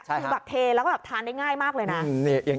คือแบบเทแล้วก็แบบทานได้ง่ายมากเลยนะ